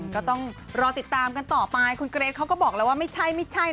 ก็ต้องรอติดตามกันต่อไปคุณเกรทเขาก็บอกแล้วว่าไม่ใช่ไม่ใช่